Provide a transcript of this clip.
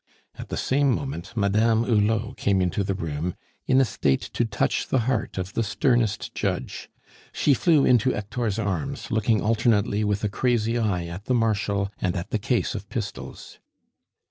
At the same moment Madame Hulot came into the room in a state to touch the heart of the sternest judge. She flew into Hector's arms, looking alternately with a crazy eye at the Marshal and at the case of pistols.